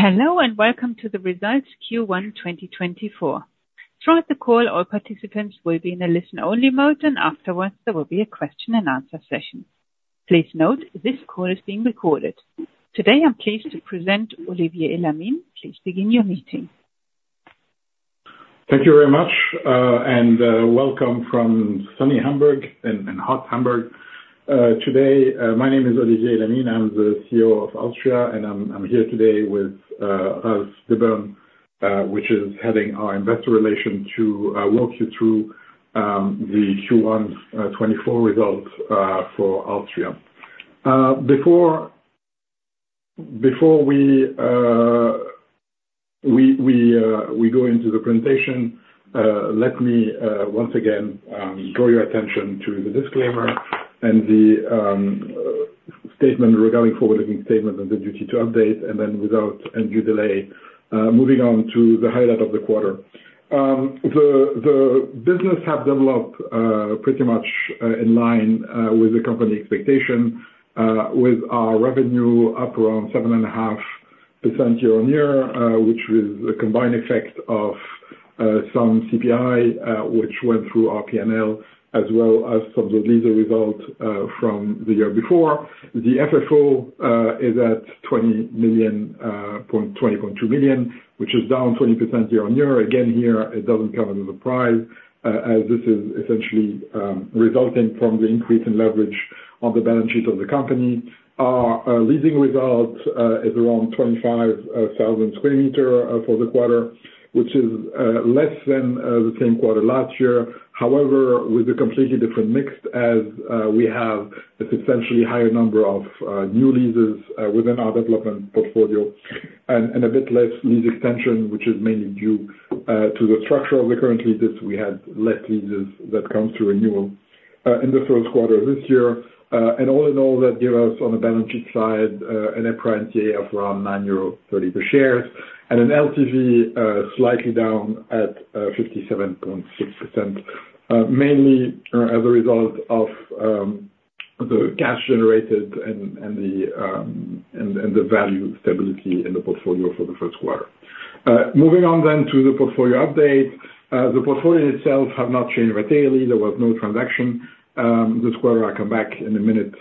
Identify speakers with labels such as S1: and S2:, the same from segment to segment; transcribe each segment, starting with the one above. S1: Hello, and welcome to the results Q1 2024. Throughout the call, all participants will be in a listen-only mode, and afterwards, there will be a question and answer session. Please note, this call is being recorded. Today, I'm pleased to present Olivier Elamine. Please begin your meeting.
S2: Thank you very much, and welcome from sunny Hamburg and hot Hamburg. Today, my name is Olivier Elamine, I'm the CEO of alstria, and I'm here today with Ralf Dibbern, which is heading our investor relation, to walk you through the Q1 2024 results for alstria. Before we go into the presentation, let me once again draw your attention to the disclaimer and the statement regarding forward-looking statement and the duty to update. And then without any delay, moving on to the highlight of the quarter. The business have developed pretty much in line with the company expectation with our revenue up around 7.5% year-on-year, which is a combined effect of some CPI which went through our PNL, as well as some of the leasing result from the year before. The FFO is at 20.2 million, which is down 20% year-on-year. Again, here, it doesn't come as a surprise as this is essentially resulting from the increase in leverage on the balance sheet of the company. Our leasing results is around 25,000 square meters for the quarter, which is less than the same quarter last year. However, with a completely different mix, as we have a substantially higher number of new leases within our development portfolio, and a bit less lease extension, which is mainly due to the structure of the current leases. We had less leases that come to renewal in the first quarter this year. And all in all, that gave us, on the balance sheet side, an EPRA NTA of around 9.30 euro per shares, and an LTV slightly down at 57.6%. Mainly as a result of the cash generated and the value stability in the portfolio for the first quarter. Moving on then to the portfolio update. The portfolio itself have not changed materially, there was no transaction this quarter. I come back in a minute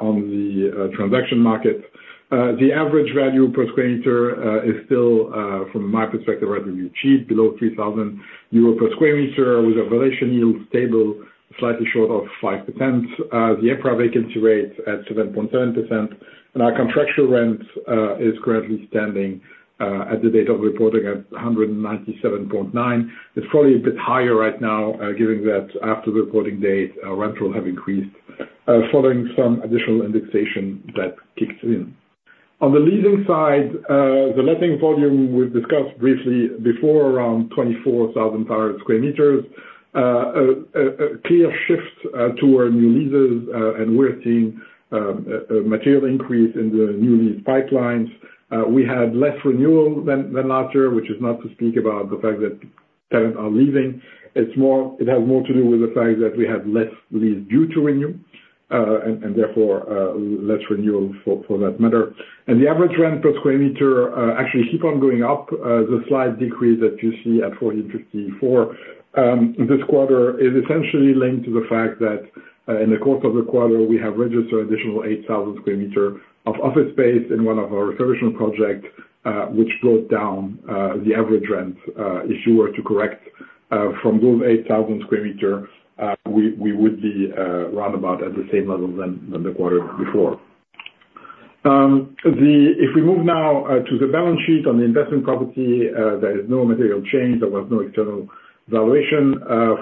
S2: on the transaction market. The average value per square meter is still from my perspective rather cheap, below 3,000 euro per square meter, with a valuation yield stable, slightly short of 5%. The EPRA vacancy rate at 7.7%, and our contractual rent is currently standing at the date of reporting at 197.9. It's probably a bit higher right now given that after the reporting date rental have increased following some additional indexation that kicks in. On the leasing side, the letting volume we've discussed briefly before, around 24,000 square meters. A clear shift toward new leases, and we're seeing a material increase in the new lease pipelines. We had less renewal than last year, which is not to speak about the fact that tenants are leaving. It's more. It has more to do with the fact that we had less leases due to renew, and therefore, less renewal for that matter. And the average rent per square meter actually keep on going up. The slight decrease that you see at 45.4 this quarter is essentially linked to the fact that in the course of the quarter, we have registered additional 8,000 square meters of office space in one of our refurbishing projects, which brought down the average rent. If you were to correct from those 8,000 square meters, we would be round about at the same level than the quarter before. The... If we move now to the balance sheet on the investment property, there is no material change. There was no external valuation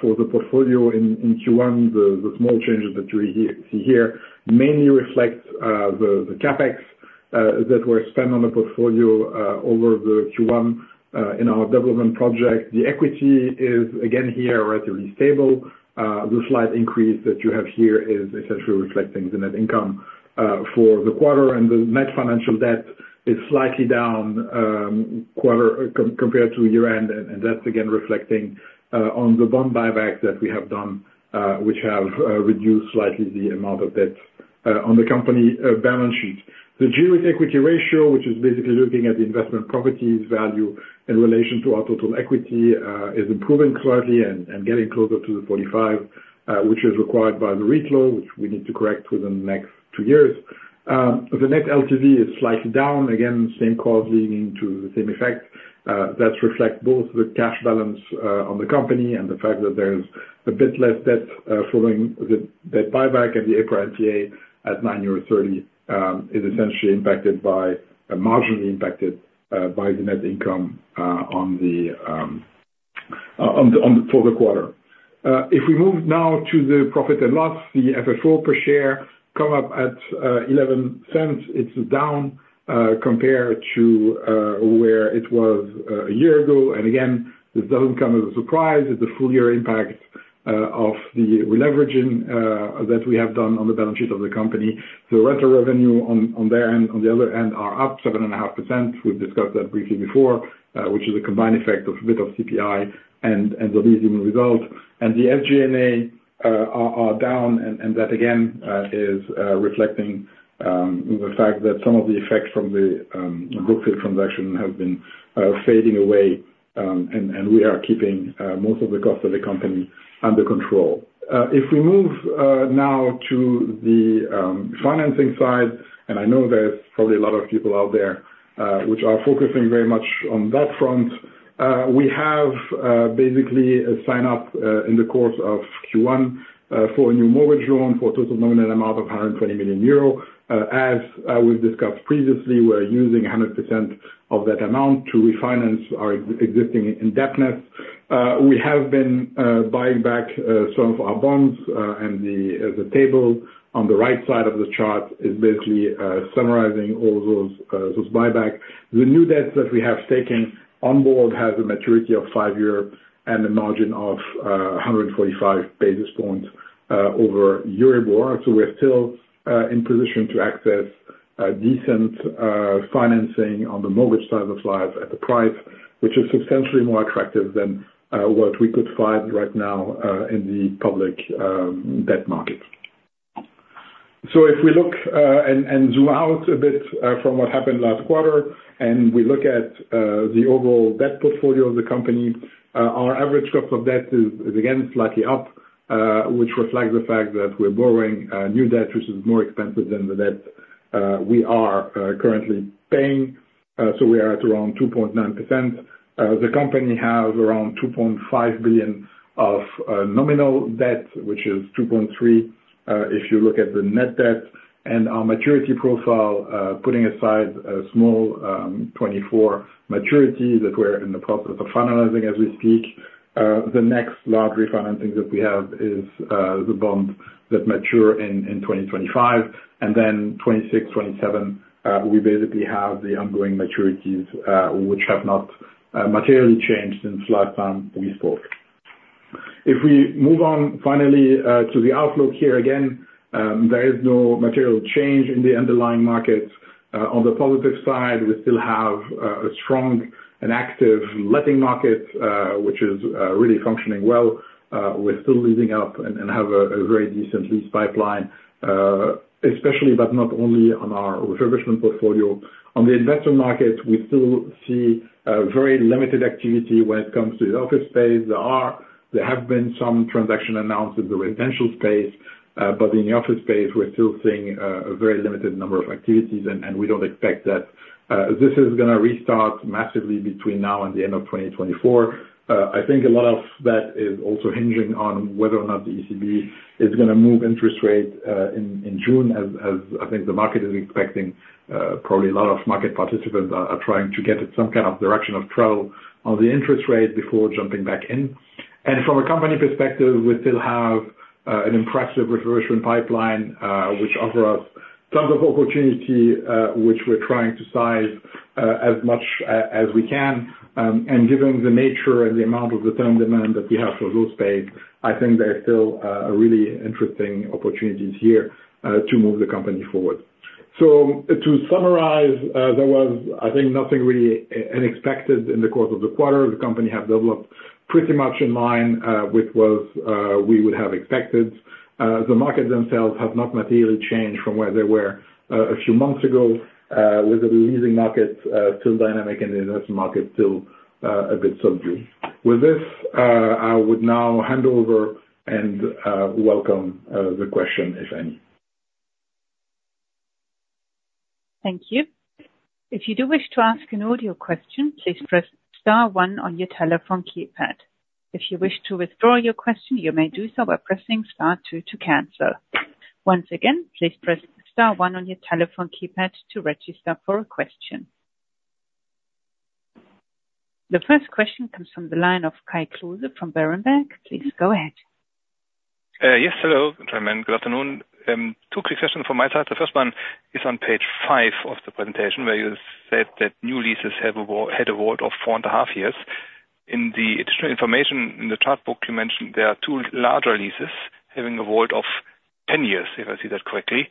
S2: for the portfolio in Q1. The small changes that you see here mainly reflect the CapEx that were spent on the portfolio over the Q1 in our development project. The equity is again here relatively stable. The slight increase that you have here is essentially reflecting the net income for the quarter, and the net financial debt is slightly down quarter compared to year-end. That's again reflecting on the bond buyback that we have done, which have reduced slightly the amount of debt on the company balance sheet. The gearing to equity ratio, which is basically looking at the investment properties value in relation to our total equity, is improving slightly and getting closer to the 45, which is required by the REIT, which we need to correct within the next two years. The net LTV is slightly down, again, same cause leading to the same effect. That reflects both the cash balance on the company and the fact that there's a bit less debt following the buyback and the EPRA NTA at 9.30 euros is essentially marginally impacted by the net income for the quarter. If we move now to the profit and loss, the FFO per share come up at 0.11. It's down compared to where it was a year ago. And again, this doesn't come as a surprise. It's a full year impact of the releveraging that we have done on the balance sheet of the company. The rental revenue on there, and on the other end, are up 7.5%. We've discussed that briefly before, which is a combined effect of a bit of CPI and the leasing results. And the SG&A are down, and that again is reflecting the fact that some of the effects from the Brookfield transaction have been fading away. And we are keeping most of the cost of the company under control. If we move now to the financing side, and I know there's probably a lot of people out there which are focusing very much on that front. We have basically a sign-up in the course of Q1 for a new mortgage loan, for a total nominal amount of 120 million euro. As we've discussed previously, we're using 100% of that amount to refinance our existing indebtedness. We have been buying back some of our bonds, and the table on the right side of the chart is basically summarizing all those buyback. The new debt that we have taken on board has a maturity of 5 years and a margin of 145 basis points over Euribor. So we're still in position to access decent financing on the mortgage side of life at the price, which is substantially more attractive than what we could find right now in the public debt market. So if we look and zoom out a bit from what happened last quarter, and we look at the overall debt portfolio of the company, our average cost of debt is again slightly up, which reflects the fact that we're borrowing new debt, which is more expensive than the debt we are currently paying. So we are at around 2.9%. The company has around 2.5 billion of nominal debt, which is 2.3 billion if you look at the net debt. And our maturity profile, putting aside a small, 24 maturity that we're in the process of finalizing as we speak, the next large refinancing that we have is, the bonds that mature in, in 2025, and then 2026, 2027, we basically have the ongoing maturities, which have not, materially changed since last time we spoke. If we move on finally, to the outlook here, again, there is no material change in the underlying markets. On the public side, we still have, a strong and active letting market, which is, really functioning well. We're still leasing up and have a very decent lease pipeline, especially, but not only on our refurbishment portfolio. On the investor market, we still see a very limited activity when it comes to the office space. There have been some transactions announced in the residential space, but in the office space, we're still seeing a very limited number of activities, and we don't expect that this is gonna restart massively between now and the end of 2024. I think a lot of that is also hinging on whether or not the ECB is gonna move interest rates in June, as I think the market is expecting. Probably a lot of market participants are trying to get some kind of direction of travel on the interest rate before jumping back in. And from a company perspective, we still have an impressive refurbishment pipeline, which offer us tons of opportunity, which we're trying to size as much as we can. And given the nature and the amount of the term demand that we have for those space, I think there are still a really interesting opportunities here to move the company forward. So to summarize, there was, I think, nothing really unexpected in the course of the quarter. The company have developed pretty much in line, which was we would have expected. The markets themselves have not materially changed from where they were a few months ago, with the leasing markets still dynamic and investment market still a bit subdued. With this, I would now hand over and welcome the question, if any.
S1: Thank you. If you do wish to ask an audio question, please press star one on your telephone keypad. If you wish to withdraw your question, you may do so by pressing star two to cancel. Once again, please press star one on your telephone keypad to register for a question. The first question comes from the line of Kai Klose from Berenberg. Please go ahead.
S3: Yes, hello, gentlemen. Good afternoon. 2 quick questions from my side. The first one is on page 5 of the presentation, where you said that new leases have a WALT of 4.5 years. In the additional information in the chart book, you mentioned there are 2 larger leases having a WALT of 10 years, if I see that correctly.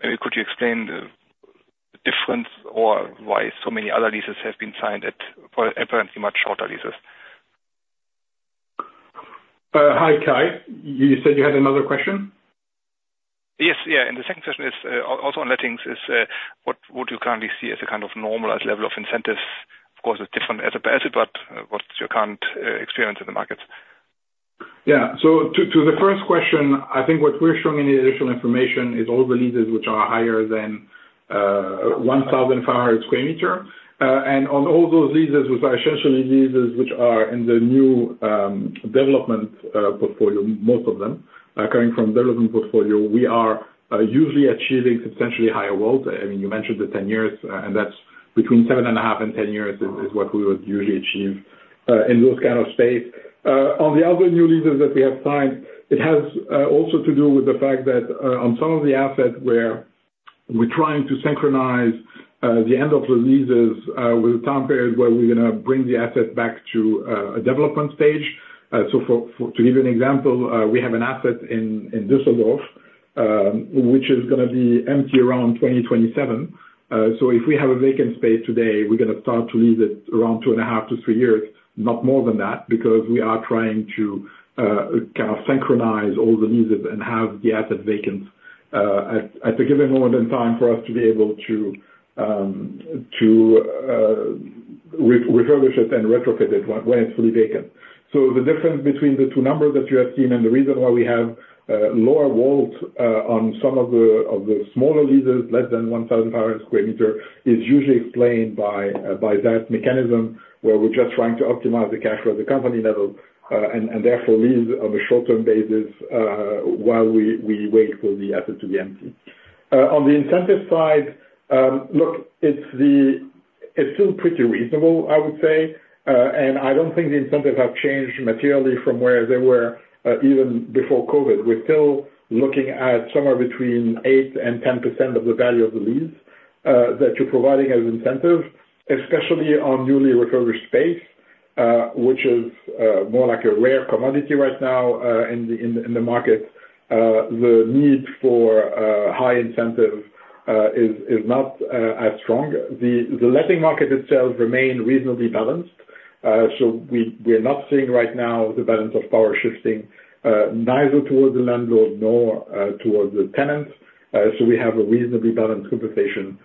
S3: Could you explain the difference or why so many other leases have been signed at, for apparently much shorter leases?
S2: Hi, Kai. You said you had another question?
S3: Yes. Yeah, and the second question is, also on lettings, is, what, what do you currently see as a kind of normalized level of incentives? Of course, it's different asset by asset, but what's your current, experience in the markets?
S2: Yeah. So to the first question, I think what we're showing in the additional information is all the leases which are higher than 1,500 square meter. And on all those leases, which are essentially leases which are in the new development portfolio, most of them are coming from development portfolio, we are usually achieving substantially higher WALTs. I mean, you mentioned the 10 years, and that's between 7.5 and 10 years is what we would usually achieve in those kind of space. On the other new leases that we have signed, it has also to do with the fact that on some of the assets where we're trying to synchronize the end of the leases with a time period where we're gonna bring the asset back to a development stage. So to give you an example, we have an asset in Düsseldorf, which is gonna be empty around 2027. So if we have a vacant space today, we're gonna start to lease it around 2.5-3 years, not more than that, because we are trying to kind of synchronize all the leases and have the asset vacant at a given moment in time for us to be able to refurbish it and retrofit it when it's fully vacant. So the difference between the two numbers that you have seen and the reason why we have lower walls on some of the smaller leases, less than 1,500 square meter, is usually explained by that mechanism, where we're just trying to optimize the cash flow of the company level and therefore lease on a short-term basis while we wait for the asset to be empty. On the incentive side, look, it's still pretty reasonable, I would say, and I don't think the incentives have changed materially from where they were, even before COVID. We're still looking at somewhere between 8% and 10% of the value of the lease that you're providing as incentive, especially on newly refurbished space, which is more like a rare commodity right now in the market. The need for high incentives is not as strong. The letting market itself remain reasonably balanced, so we're not seeing right now the balance of power shifting, neither towards the landlord nor towards the tenants. So we have a reasonably balanced conversation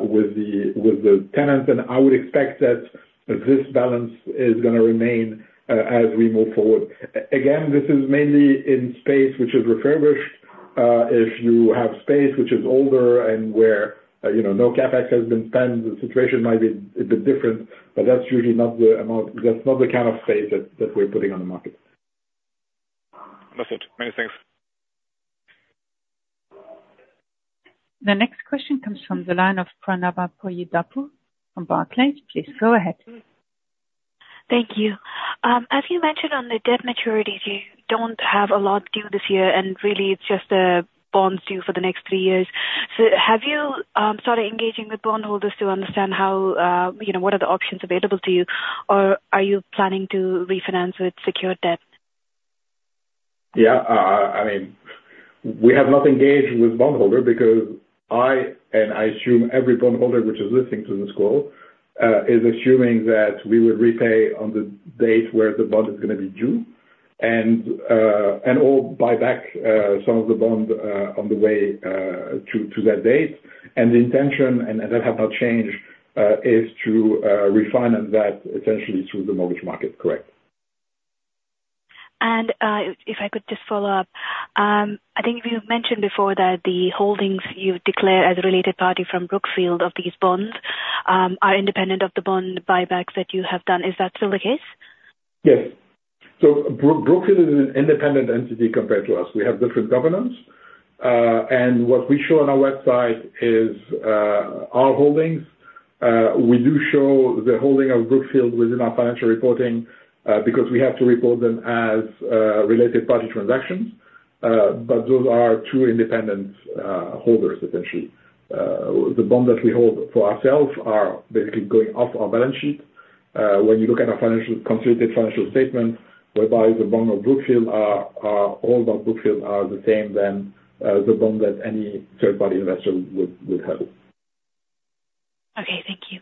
S2: with the tenants, and I would expect that this balance is gonna remain as we move forward. Again, this is mainly in space which is refurbished. If you have space which is older and where you know no CapEx has been spent, the situation might be a bit different, but that's usually not the amount—that's not the kind of space that we're putting on the market.
S3: That's it. Many thanks.
S1: The next question comes from the line of Pranava Boyidapu from Barclays. Please go ahead.
S4: Thank you. As you mentioned on the debt maturities, you don't have a lot due this year, and really, it's just the bonds due for the next three years. So have you started engaging with bondholders to understand how, you know, what are the options available to you, or are you planning to refinance with secured debt?
S2: Yeah. I mean, we have not engaged with bondholder because, and I assume every bondholder which is listening to this call is assuming that we would repay on the date where the bond is gonna be due, and and/or buy back some of the bond on the way to that date. And the intention that has not changed is to refinance that essentially through the mortgage market, correct.
S4: If I could just follow up. I think you mentioned before that the holdings you declare as a related party from Brookfield of these bonds are independent of the bond buybacks that you have done. Is that still the case?
S2: Yes. So Brookfield is an independent entity compared to us. We have different governance, and what we show on our website is our holdings. We do show the holding of Brookfield within our financial reporting, because we have to report them as related party transactions, but those are two independent holders, essentially. The bond that we hold for ourselves are basically going off our balance sheet, when you look at our consolidated financial statement, whereby the bond of Brookfield are the same than the bond that any third party investor would have.
S4: Okay, thank you.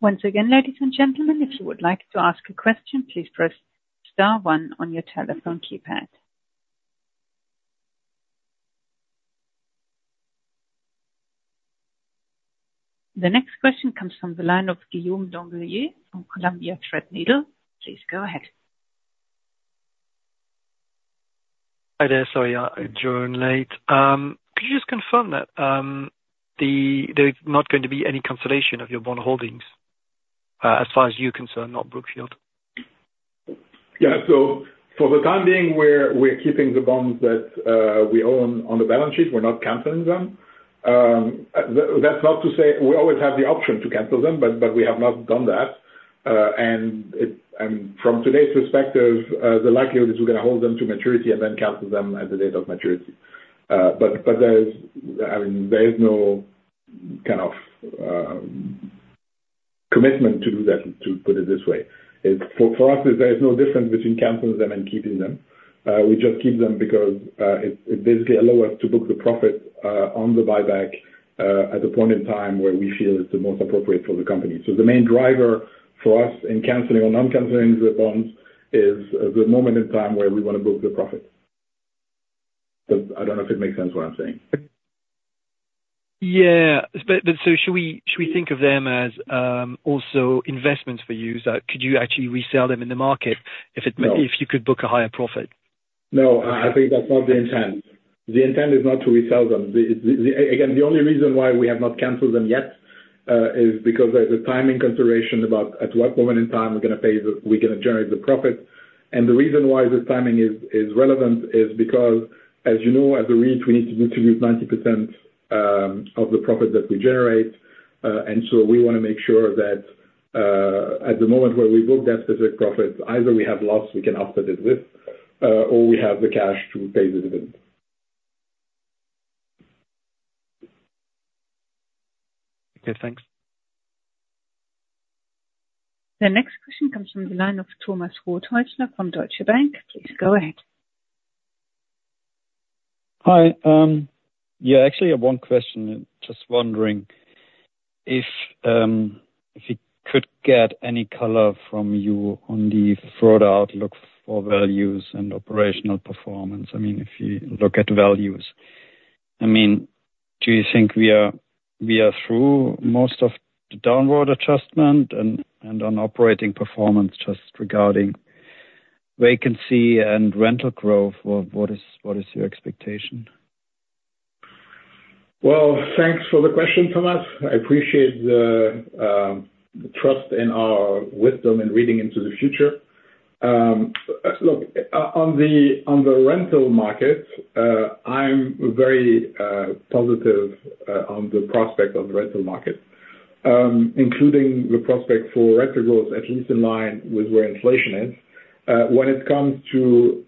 S1: Once again, ladies and gentlemen, if you would like to ask a question, please press star one on your telephone keypad. The next question comes from the line of Guillaume Dubreuil from Columbia Threadneedle. Please go ahead.
S5: Hi there, sorry, I joined late. Could you just confirm that there is not going to be any consolidation of your bond holdings, as far as you're concerned, not Brookfield?
S2: Yeah. So for the time being, we're keeping the bonds that we own on the balance sheet. We're not canceling them. That's not to say... We always have the option to cancel them, but we have not done that. And from today's perspective, the likelihood is we're gonna hold them to maturity and then cancel them at the date of maturity. But there is, I mean, there is no kind of commitment to do that, to put it this way. It's, for us, there is no difference between canceling them and keeping them. We just keep them because it basically allow us to book the profit on the buyback at the point in time where we feel it's the most appropriate for the company. So the main driver for us in canceling or non-canceling the bonds is the moment in time where we want to book the profit. But I don't know if it makes sense what I'm saying....
S5: Yeah, but so should we think of them as also investments for you? So could you actually resell them in the market if it-
S2: No.
S5: If you could book a higher profit?
S2: No, I think that's not the intent. The intent is not to resell them. Again, the only reason why we have not canceled them yet is because there's a timing consideration about at what moment in time we're gonna pay the—we're gonna generate the profit. And the reason why this timing is relevant is because, as you know, as a REIT, we need to distribute 90% of the profit that we generate. And so we wanna make sure that at the moment where we book that specific profit, either we have loss we can offset it with, or we have the cash to pay the dividend.
S5: Okay, thanks.
S1: The next question comes from the line of Thomas Rothaeusler from Deutsche Bank. Please go ahead.
S6: Hi. Yeah, actually, I have one question. Just wondering if you could get any color from you on the further outlook for values and operational performance. I mean, if you look at values, I mean, do you think we are through most of the downward adjustment? And on operating performance just regarding vacancy and rental growth, what is your expectation?
S2: Well, thanks for the question, Thomas. I appreciate the trust in our wisdom in reading into the future. Look, on the rental market, I'm very positive on the prospect of the rental market, including the prospect for rental growth, at least in line with where inflation is. When it comes to,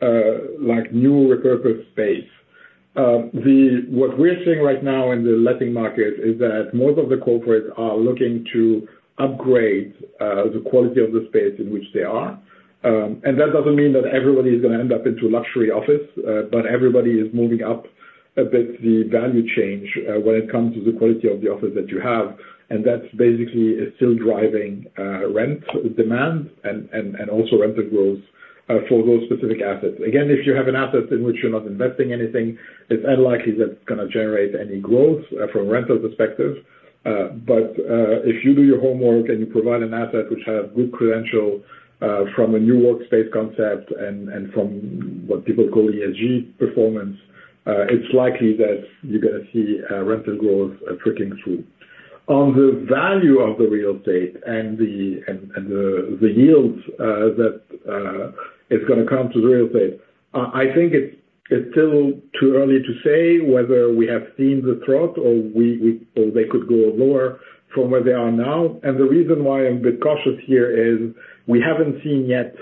S2: like, new repurposed space, the... What we're seeing right now in the letting market is that most of the corporates are looking to upgrade the quality of the space in which they are. And that doesn't mean that everybody is gonna end up into a luxury office, but everybody is moving up a bit the value chain when it comes to the quality of the office that you have. That's basically is still driving rent demand and also rental growth for those specific assets. Again, if you have an asset in which you're not investing anything, it's unlikely that's gonna generate any growth from a rental perspective. But if you do your homework and you provide an asset which has good credential from a new workspace concept and from what people call ESG performance, it's likely that you're gonna see rental growth trickling through. On the value of the real estate and the yields that is gonna come to the real estate, I think it's still too early to say whether we have seen the trough or we or they could go lower from where they are now. And the reason why I'm a bit cautious here is we haven't seen yet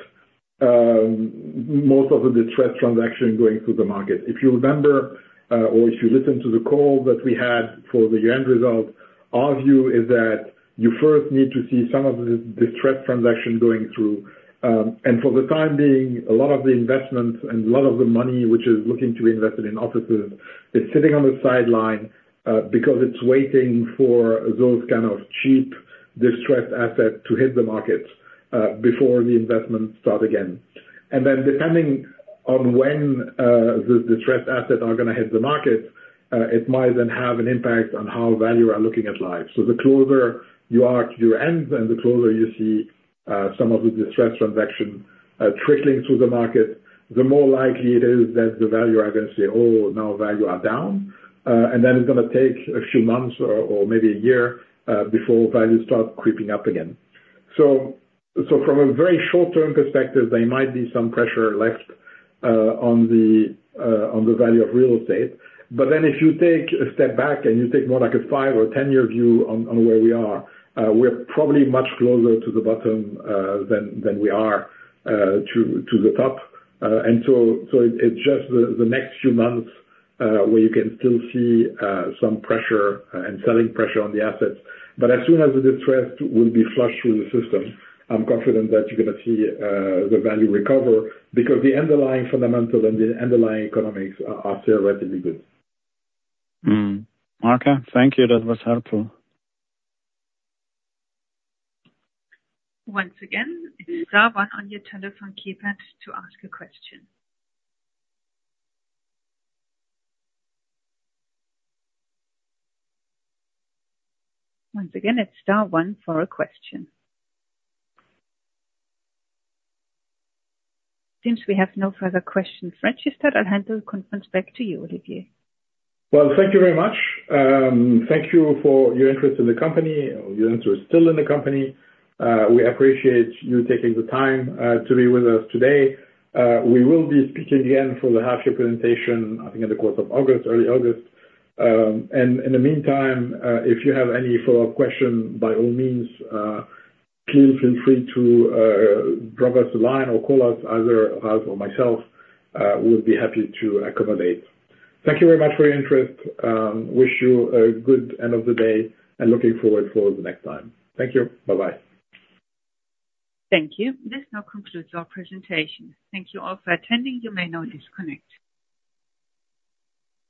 S2: most of the distressed transaction going through the market. If you remember or if you listen to the call that we had for the year-end result, our view is that you first need to see some of the distressed transaction going through. And for the time being, a lot of the investments and a lot of the money which is looking to be invested in offices is sitting on the sideline because it's waiting for those kind of cheap, distressed assets to hit the market before the investments start again. And then depending on when the distressed assets are gonna hit the market, it might then have an impact on how values are looking at life. So the closer you are to your end and the closer you see, some of the distressed transaction, trickling through the market, the more likely it is that the value are gonna say, "Oh, now value are down." And then it's gonna take a few months or maybe a year, before values start creeping up again. So from a very short-term perspective, there might be some pressure left, on the value of real estate. But then if you take a step back, and you take more like a five or 10-year view on where we are, we're probably much closer to the bottom, than we are to the top. And so it's just the next few months where you can still see some pressure and selling pressure on the assets. But as soon as the distressed will be flushed through the system, I'm confident that you're gonna see the value recover, because the underlying fundamentals and the underlying economics are still relatively good.
S6: Okay. Thank you. That was helpful.
S1: Once again, star one on your telephone keypad to ask a question. Once again, it's star one for a question. Since we have no further questions registered, I'll hand the conference back to you, Olivier.
S2: Well, thank you very much. Thank you for your interest in the company, your interest still in the company. We appreciate you taking the time to be with us today. We will be speaking again for the half-year presentation, I think, in the course of August, early August. And in the meantime, if you have any follow-up questions, by all means, please feel free to drop us a line or call us, either Ralf or myself. We'll be happy to accommodate. Thank you very much for your interest. Wish you a good end of the day, and looking forward for the next time. Thank you. Bye-bye.
S1: Thank you. This now concludes our presentation. Thank you all for attending. You may now disconnect.